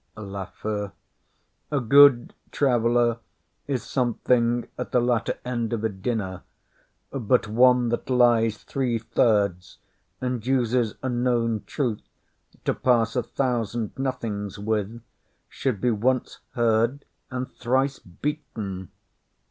LAFEW. A good traveller is something at the latter end of a dinner; but one that lies three thirds and uses a known truth to pass a thousand nothings with, should be once heard and thrice beaten.